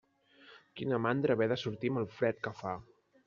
Quina mandra, haver de sortir amb el fred que fa.